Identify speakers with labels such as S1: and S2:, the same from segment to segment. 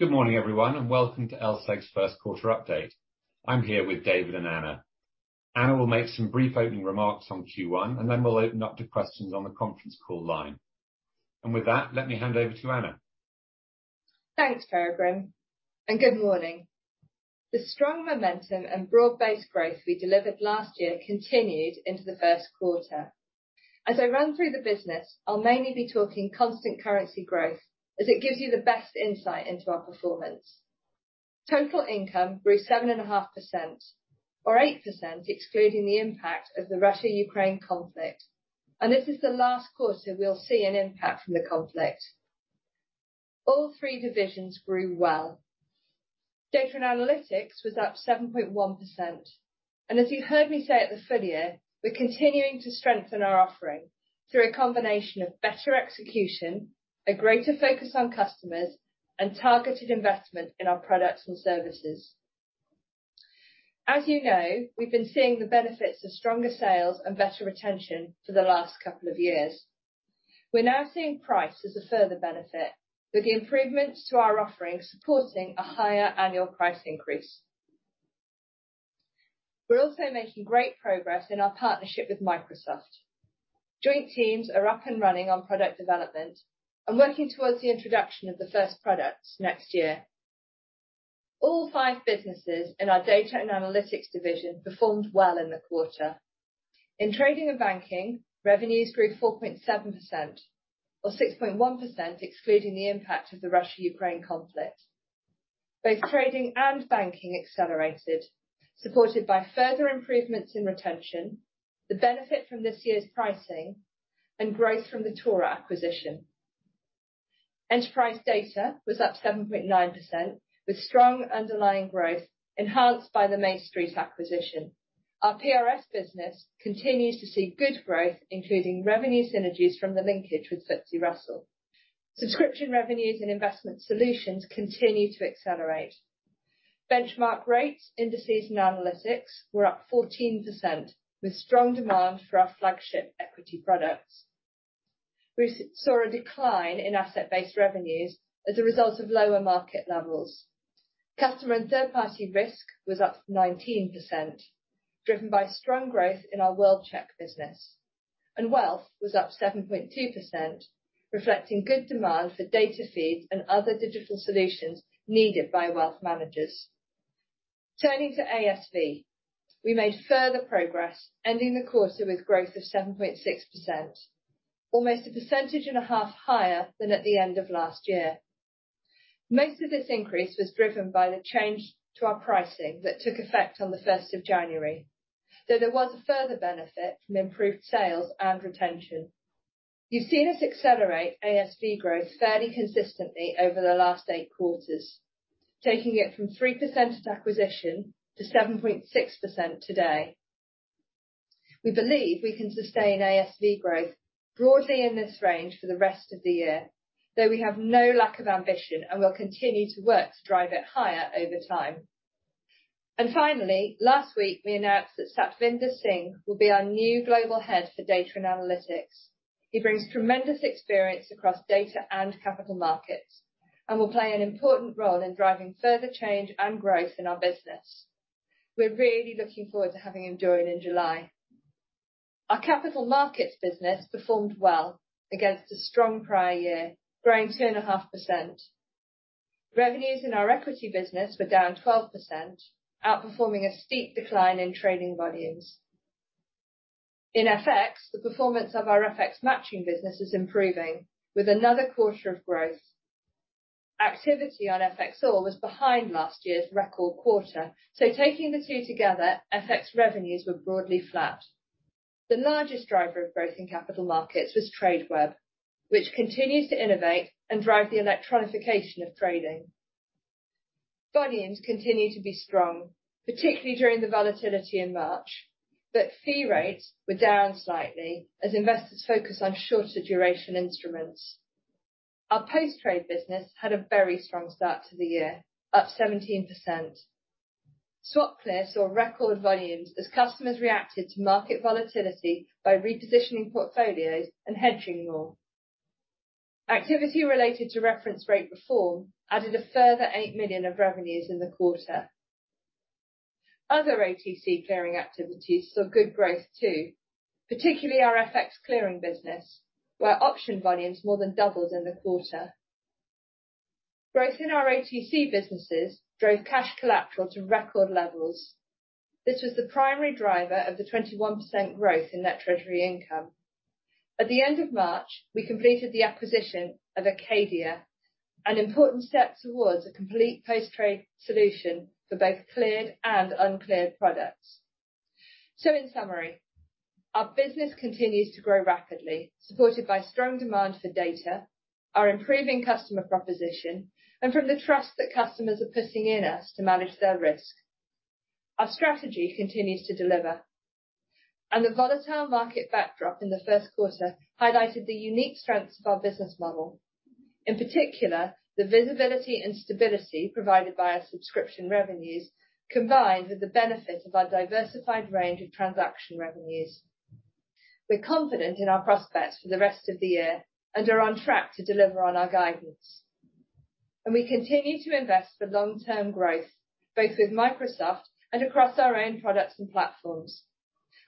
S1: Good morning, everyone, and welcome to LSEG's Q1 update. I'm here with David and Anna. Anna will make some brief opening remarks on Q1, and then we'll open up to questions on the Conference Call line. With that, let me hand over to Anna.
S2: Thanks, Peregrine, and good morning. The strong momentum and broad-based growth we delivered last year continued into the Q1. As I run through the business, I'll mainly be talking about constant currency growth as it gives you the best insight into our performance. Total income grew 7.5% or 8% excluding the impact of the Russia-Ukraine conflict, and this is the last quarter we'll see an impact from the conflict. All three divisions grew well. Data & Analytics was up 7.1%, and as you heard me say at the full year, we're continuing to strengthen our offering through a combination of better execution, a greater focus on customers, and targeted investment in our products and services. As you know, we've been seeing the benefits of stronger sales and better retention for the last couple of years. We're now seeing price as a further benefit, with the improvements to our offering supporting a higher annual price increase. We're also making great progress in our partnership with Microsoft. Joint teams are up and running on product development and working towards the introduction of the first products next year. All five businesses in our data and analytics division performed well in the quarter. In trading and banking, revenues grew 4.7% or 6.1% excluding the impact of the Russia-Ukraine conflict. Both trading and banking accelerated, supported by further improvements in retention, the benefit from this year's pricing, and growth from the TORA acquisition. Enterprise data was up 7.9% with strong underlying growth enhanced by the MayStreet acquisition. Our PRS business continues to see good growth, including revenue synergies from the linkage with FTSE Russell. Subscription revenues and investment solutions continue to accelerate. Benchmark rates, indices and analytics were up 14% with strong demand for our flagship equity products. We saw a decline in asset-based revenues as a result of lower market levels. Customer and third-party risk was up 19%, driven by strong growth in our World-Check business. Wealth was up 7.2%, reflecting good demand for data feeds and other digital solutions needed by wealth managers. Turning to ASV, we made further progress, ending the quarter with growth of 7.6%, almost a percentage and a half higher than at the end of last year. Most of this increase was driven by the change to our pricing that took effect on the first of January, though there was a further benefit from improved sales and retention. You've seen us accelerate ASV growth fairly consistently over the last 8 quarters, taking it from 3% at acquisition to 7.6% today. We believe we can sustain ASV growth broadly in this range for the rest of the year, though we have no lack of ambition, and we'll continue to work to drive it higher over time. Finally, last week, we announced that Satvinder Singh will be our new global head for data and analytics. He brings tremendous experience across data and capital markets and will play an important role in driving further change and growth in our business. We're really looking forward to having him join in July. Our capital markets business performed well against a strong prior year, growing 2.5%. Revenues in our equity business were down 12%, outperforming a steep decline in trading volumes. In FX, the performance of our FX Matching business is improving with another quarter of growth. Activity on FXall was behind last year's record quarter. Taking the two together, FX revenues were broadly flat. The largest driver of growth in capital markets was Tradeweb, which continues to innovate and drive the electronification of trading. Volumes continue to be strong, particularly during the volatility in March. Fee rates were down slightly as investors focus on shorter-duration instruments. Our post-trade business had a very strong start to the year, up 17%. SwapClear saw record volumes as customers reacted to market volatility by repositioning portfolios and hedging more. Activity related to reference rate reform added a further 8 million of revenues in the quarter. Other OTC clearing activities saw good growth too, particularly our FX clearing business, where option volumes more than doubled in the quarter. Growth in our OTC businesses drove cash collateral to record levels. This was the primary driver of the 21% growth in net treasury income. At the end of March, we completed the acquisition of Acadia, an important step towards a complete post-trade solution for both cleared and uncleared products. In summary, our business continues to grow rapidly, supported by strong demand for data, our improving customer proposition, and from the trust that customers are putting in us to manage their risk. Our strategy continues to deliver, and the volatile market backdrop in the Q1 highlighted the unique strengths of our business model. In particular, the visibility and stability provided by our subscription revenues, combined with the benefit of our diversified range of transaction revenues. We're confident in our prospects for the rest of the year and are on track to deliver on our guidance. We continue to invest for long-term growth, both with Microsoft and across our own products and platforms.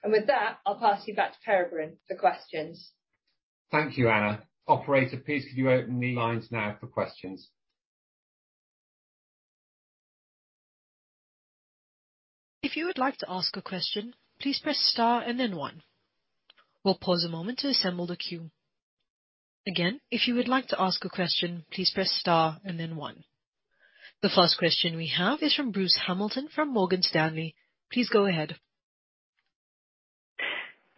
S2: With that, I'll pass you back to Peregrine for questions.
S1: Thank you, Anna. Operator, please, could you open the lines now for questions.
S3: If you would like to ask a question, please press star and then one. We'll pause a moment to assemble the queue. Again, if you would like to ask a question, please press star and then one. The first question we have is from Bruce Hamilton from Morgan Stanley. Please go ahead.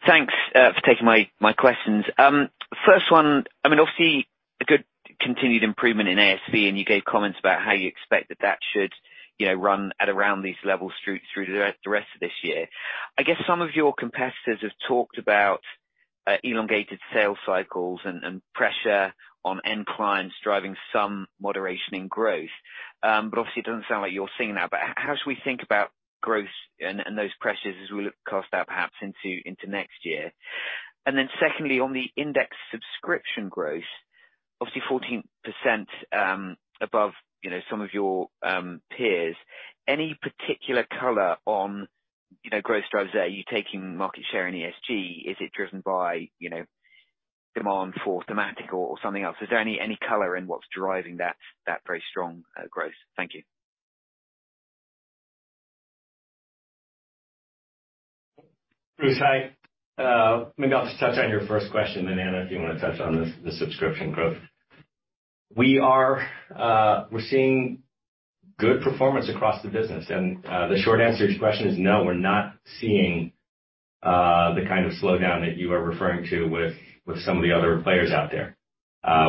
S4: Thanks for taking my questions. First one, I mean, obviously a good continued improvement in ASV, you gave comments about how you expect that should, you know, run at around these levels through the rest of this year. I guess some of your competitors have talked about elongated sales cycles and pressure on end clients, driving some moderation in growth. Obviously it doesn't sound like you're seeing that. How should we think about growth and those pressures as we look past that, perhaps into next year? Secondly, on the index subscription growth, obviously 14%, above, you know, some of your peers. Any particular color on, you know, growth drivers there? Are you taking market share in ESG? Is it driven by, you know, demand for thematic or something else? Is there any color in what's driving that very strong growth? Thank you.
S5: Bruce, hi. Maybe I'll just touch on your first question, then Anna, if you wanna touch on the subscription growth. We are, we're seeing good performance across the business. The short answer to your question is no, we're not seeing the kind of slowdown that you are referring to with some of the other players out there.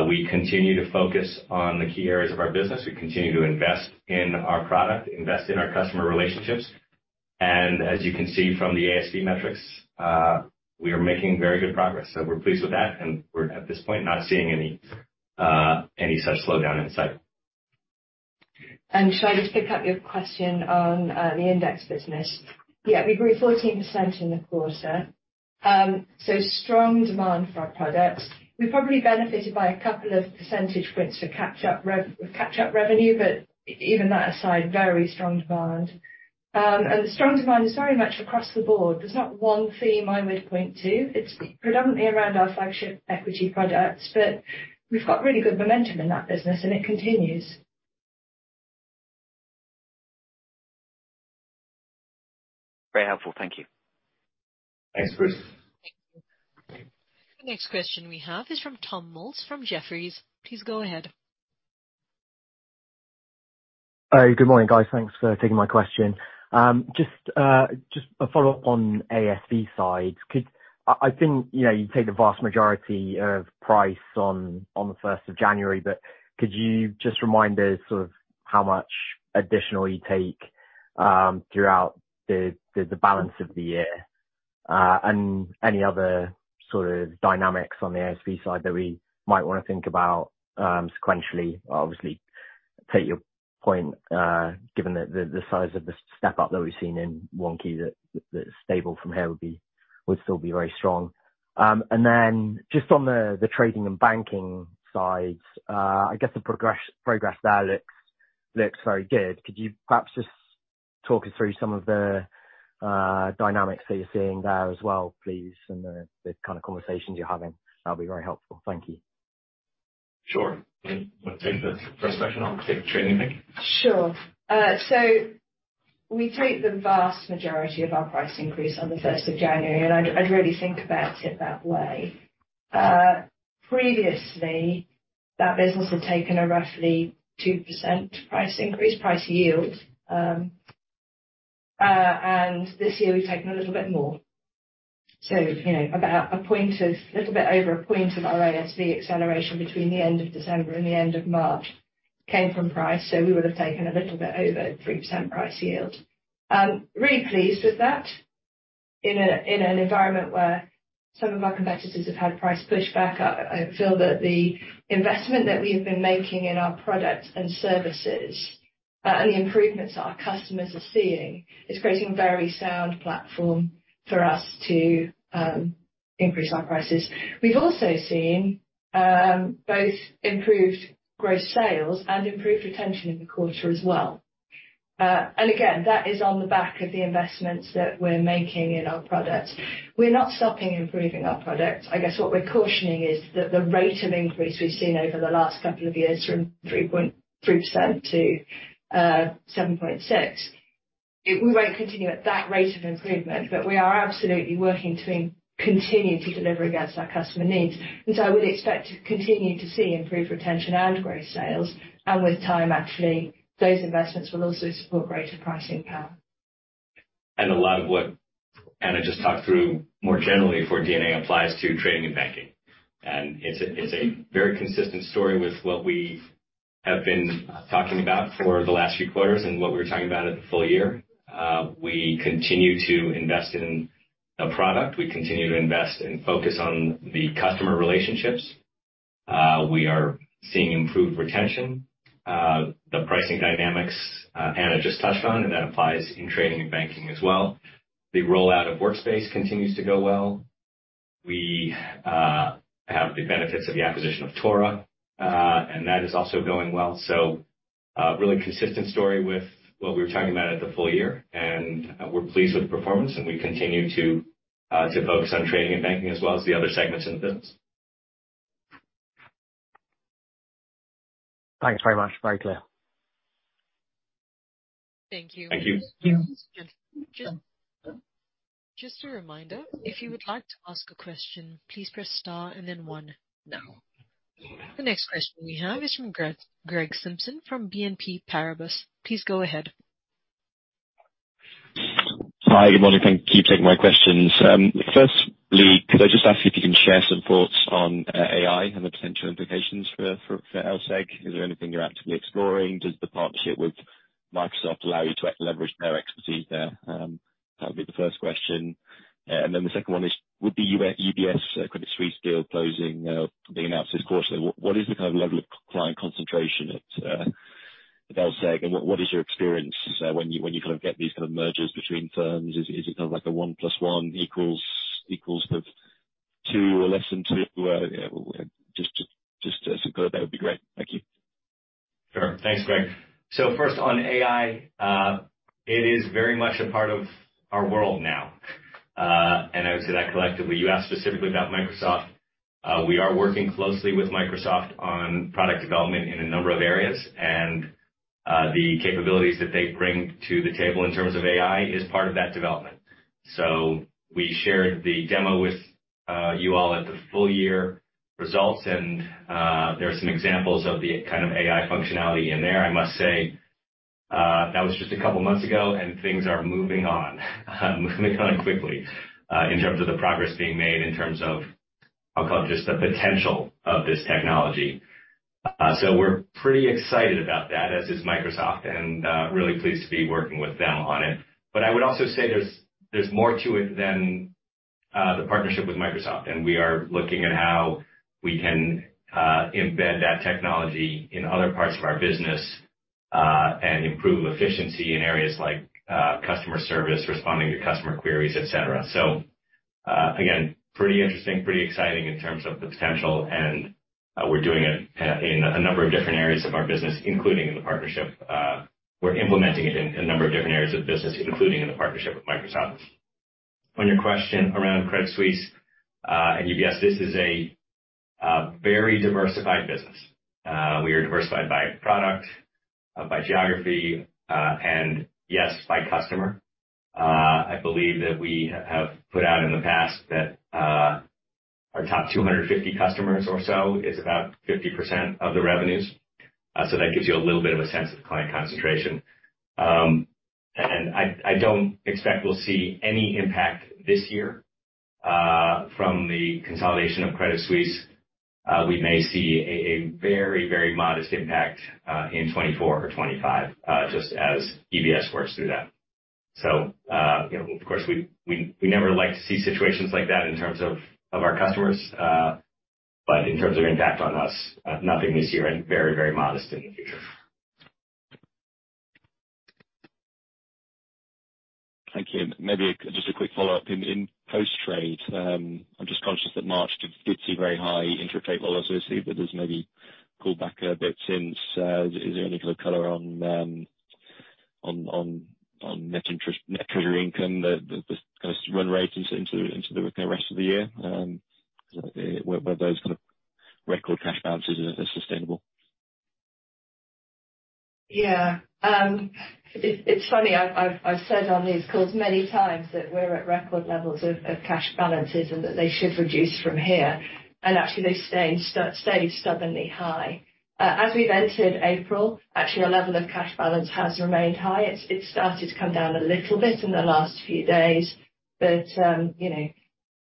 S5: We continue to focus on the key areas of our business. We continue to invest in our product, invest in our customer relationships. As you can see from the ASV metrics, we are making very good progress. We're pleased with that. We're at this point not seeing any such slowdown in sight.
S2: Shall I just pick up your question on the index business? Yeah, we grew 14% in the quarter. Strong demand for our products. We probably benefited by a couple of percentage points for catch-up revenue, but even that aside, very strong demand. The strong demand is very much across the board. There's not one theme I would point to. It's predominantly around our flagship equity products, but we've got really good momentum in that business and it continues.
S4: Very helpful. Thank you.
S5: Thanks, Bruce.
S3: The next question we have is from Tom Mills from Jefferies. Please go ahead.
S6: Good morning, guys. Thanks for taking my question. Just a follow-up on the ASV side. I think, you know, you take the vast majority of the price on the first of January, but could you just remind us sort of how much additional you take throughout the balance of the year? Any other sort of dynamics on the ASV side that we might wanna think about sequentially? Obviously, take your point, given the size of the step-up that we've seen in one key that stable from here would still be very strong. Then just on the trading and banking sides, I guess the progress there looks very good. Could you perhaps just talk us through some of the dynamics that you're seeing there as well, please, and the kinda conversations you're having? That'd be very helpful. Thank you.
S5: Sure. You wanna take the first question on trading and banking?
S2: Sure. We take the vast majority of our price increase on the first of January, and I'd really think about it that way. Previously, that business had taken a roughly 2% price increase, price yield. This year we've taken a little bit more. You know, about a little bit over a point of our ASV acceleration between the end of December and the end of March came from the price. We would have taken a little bit over 3% price yield. Really pleased with that. In an environment where some of our competitors have had price pushback, I feel that the investment that we have been making in our products and services, and the improvements our customers are seeing is creating a very sound platform for us to increase our prices. We've also seen, both improved gross sales and improved retention in the quarter as well. Again, that is on the back of the investments that we're making in our products. We're not stopping from improving our products. I guess what we're cautioning is that the rate of increase we've seen over the last couple of years from 3% to 7.6%, we won't continue at that rate of improvement, but we are absolutely working to continue to deliver against our customer needs. So I would expect to continue to see improved retention and growth sales. With time, actually, those investments will also support greater pricing power.
S5: A lot of what Anna just talked through more generally for DNA, applies to trading and banking. It's a very consistent story with what we have been talking about for the last few quarters and what we were talking about at the full year. We continue to invest in the product. We continue to invest and focus on the customer relationships. We are seeing improved retention. The pricing dynamics, Anna just touched on, and that applies in trading and banking as well. The rollout of Workspace continues to go well. We have the benefits of the acquisition of TORA, and that is also going well. A really consistent story with what we were talking about at the full year, and we're pleased with the performance, and we continue to focus on trading and banking as well as the other segments in the business.
S6: Thanks very much. Very clear.
S3: Thank you.
S5: Thank you.
S3: Just a reminder, if you would like to ask a question, please press star and then 1 now. The next question we have is from Greg Simpson from BNP Paribas. Please go ahead.
S7: Hi. Good morning. Thank you for taking my questions. Firstly, could I just ask you if you can share some thoughts on AI and the potential implications for LSEG? Is there anything you're actively exploring? Does the partnership with Microsoft allow you to leverage their expertise there? That would be the first question. And then the second one is, with the UBS, Credit Suisse deal closing, being announced this quarter, what is the kind of level of client concentration at LSEG, and what is your experience when you kind of get these kind of mergers between firms? Is it kind of like a one plus one equals sort of two or less than two? Just some color there would be great. Thank you.
S5: Sure. Thanks, Greg. First on AI, it is very much a part of our world now, and I would say that collectively. You asked specifically about Microsoft. We are working closely with Microsoft on product development in a number of areas, and the capabilities that they bring to the table in terms of AI is part of that development. We shared the demo with you all at the full-year results, and there are some examples of the kind of AI functionality in there. I must say, that was just a couple of months ago, and things are moving on quickly in terms of the progress being made in terms of, I'll call it just the potential of this technology. We're pretty excited about that, as is Microsoft, and really pleased to be working with them on it. I would also say there's more to it than the partnership with Microsoft, and we are looking at how we can embed that technology in other parts of our business and improve efficiency in areas like customer service, responding to customer queries, et cetera. Again, pretty interesting, pretty exciting in terms of the potential, and we're doing it in a number of different areas of our business, including in the partnership. We're implementing it in a number of different areas of the business, including in the partnership with Microsoft. On your question around Credit Suisse and UBS, this is a very diversified business. We are diversified by product, by geography, and yes, by customer. I believe that we have put out in the past that our top 250 customers or so is about 50% of the revenues. That gives you a little bit of a sense of the client concentration. I don't expect we'll see any impact this year from the consolidation of Credit Suisse. We may see a very, very modest impact in 2024 or 2025 just as EBS works through that. You know, of course we never like to see situations like that in terms of our customers, but in terms of impact on us, nothing this year and very, very modest in the future.
S7: Thank you. Maybe just a quick follow-up. In post-trade, I'm just conscious that March did see very high intraday levels. I see that there's maybe pulled back a bit since. Is there any kind of color on net treasury income that kind of run rate into the rest of the year? Whether those kind of record cash balances are sustainable.
S2: Yeah. It's funny. I've said on these calls many times that we're at record levels of cash balances and that they should reduce from here. Actually they've stayed stubbornly high. As we've entered April, actually our level of cash balance has remained high. It started to come down a little bit in the last few days, but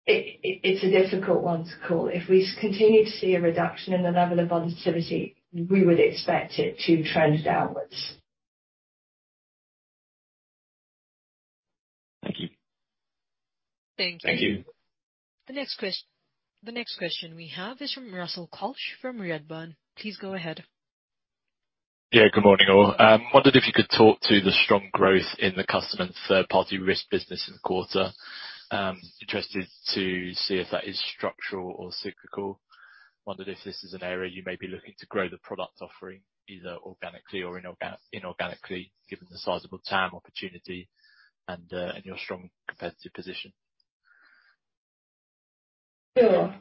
S2: it's a difficult one to call. If we continue to see a reduction in the level of volatility, we would expect it to trend downwards.
S7: Thank you.
S3: Thank you.
S5: Thank you.
S3: The next question we have is from Russell Quelch from Redburn. Please go ahead.
S8: Good morning, all. Wondered if you could talk to the strong growth in the customer and third-party risk business in the quarter. Interested to see if that is structural or cyclical. Wondered if this is an area you may be looking to grow the product offering either organically or inorganically, given the sizable TAM opportunity and your strong competitive position.
S2: Sure.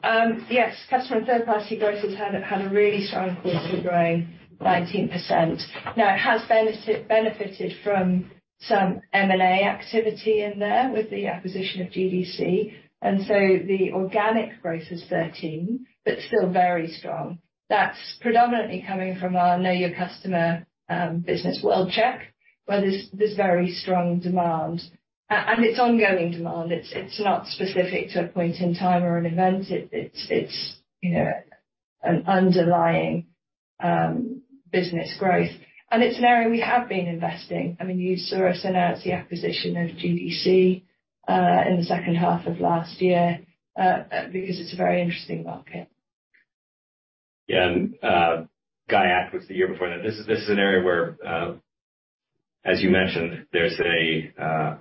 S2: Yes, customer and third-party growth has had a really strong quarter, growing 19%. It has benefited from some M&A activity in there with the acquisition of GDC, and the organic growth is 13, still very strong. That's predominantly coming from our Know Your Customer business, World-Check, where there's very strong demand. And it's ongoing demand. It's not specific to a point in time or an event. It's, you know, an underlying business growth. It's an area we have been investing. I mean, you saw us announce the acquisition of GDC in the second half of last year, because it's a very interesting market.
S5: Yeah. GIACT was the year before that. This is an area where, as you mentioned, there's a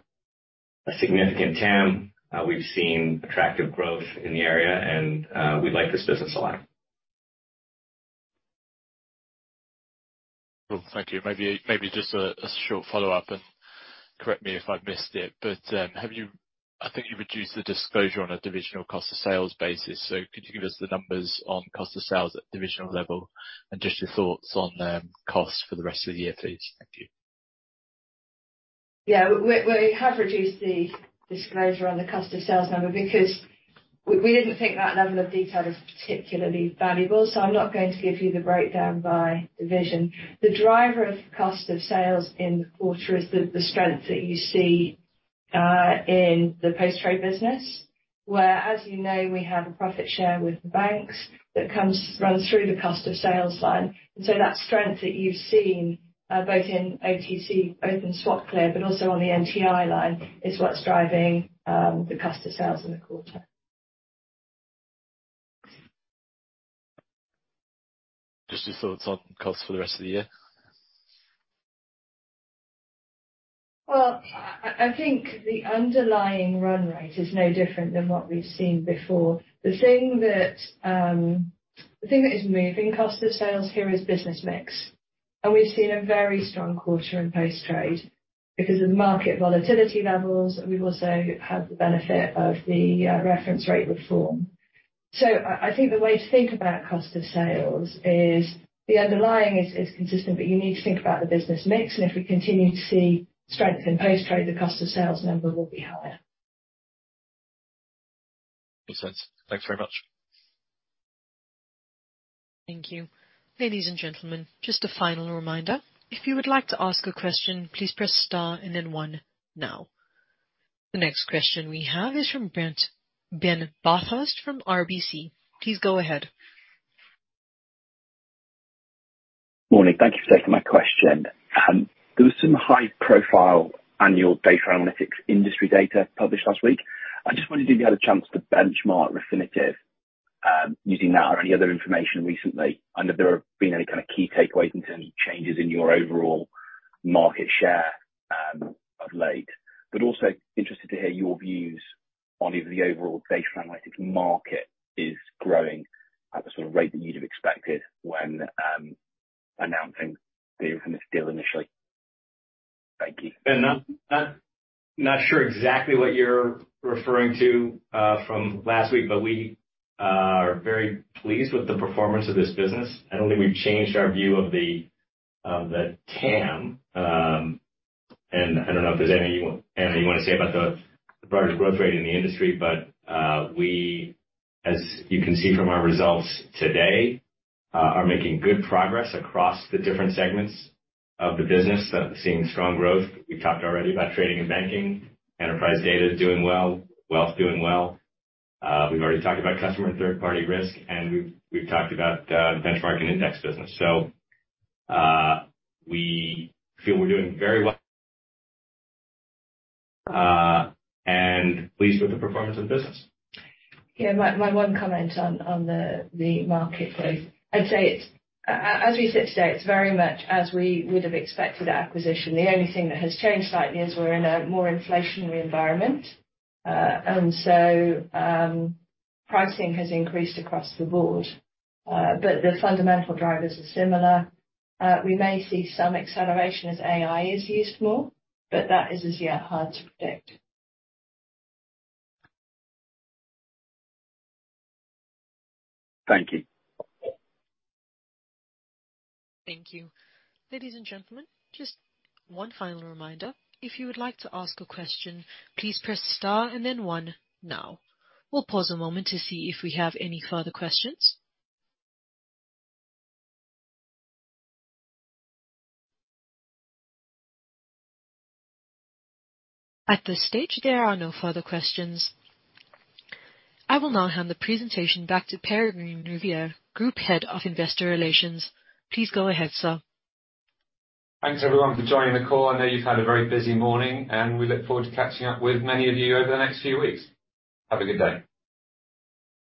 S5: significant TAM. We've seen attractive growth in the area, and we like this business a lot.
S8: Cool. Thank you. Maybe just a short follow-up, correct me if I've missed it, but I think you've reduced the disclosure on a divisional cost of sales basis. Could you give us the numbers on cost of sales at the divisional level and just your thoughts on costs for the rest of the year, please? Thank you.
S2: Yeah. We have reduced the disclosure on the cost of sales number because we didn't think that level of detail is particularly valuable, so I'm not going to give you the breakdown by division. The driver of the cost of sales in the quarter is the strength that you see in the post-trade business, where, as you know, we have a profit share with the banks that runs through the cost of sales line. That strength that you've seen both in OTC, both in SwapClear, but also on the NTI line is what's driving the cost of sales in the quarter.
S8: Just your thoughts on costs for the rest of the year?
S2: Well, I think the underlying run rate is no different than what we've seen before. The thing that is moving the cost of sales here is business mix. We've seen a very strong quarter in post-trade because of the market volatility levels. We've also had the benefit of the reference rate reform. I think the way to think about the cost of sales is the underlying is consistent, but you need to think about the business mix. If we continue to see strength in post-trade, the cost of sales number will be higher.
S8: Makes sense. Thanks very much.
S3: Thank you. Ladies and gentlemen, just a final reminder. If you would like to ask a question, please press star and then one now. The next question we have is from Ben Bathurst from RBC. Please go ahead.
S9: Morning. Thank you for taking my question. There was some high-profile annual data analytics industry data published last week. I just wondered if you had a chance to benchmark Refinitiv, using that or any other information recently, and if there have been any kind of key takeaways in terms of changes in your overall market share, of late. Also interested to hear your views on if the overall data analytics market is growing at the sort of rate that you'd have expected when announcing the Refinitiv deal initially. Thank you.
S5: I'm not sure exactly what you're referring to from last week, but we are very pleased with the performance of this business. I don't think we've changed our view of the TAM. I don't know if there's anything Anna, you wanna say about the broader growth rate in the industry, but we, as you can see from our results today, are making good progress across the different segments of the business. They're seeing strong growth. We've talked already about trading and banking. Enterprise data is doing well. Wealth's doing well. We've already talked about customer and third-party risk, and we've talked about the benchmark and index business. We feel we're doing very well and pleased with the performance of the business.
S2: Yeah. My, my one comment on the market growth, I'd say it's... As we sit today, it's very much as we would have expected at acquisition. The only thing that has changed slightly is we're in a more inflationary environment. Pricing has increased across the board. The fundamental drivers are similar. We may see some acceleration as AI is used more, but that is, as yet, hard to predict.
S9: Thank you.
S3: Thank you. Ladies and gentlemen, just one final reminder. If you would like to ask a question, please press star and then one now. We'll pause a moment to see if we have any further questions. At this stage, there are no further questions. I will now hand the presentation back to Peregrine Rivière, Group Head of Investor Relations. Please go ahead, sir.
S1: Thanks, everyone, for joining the call. I know you've had a very busy morning, and we look forward to catching up with many of you over the next few weeks. Have a good day.